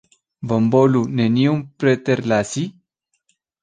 Bonvolu neniujn preterlasi!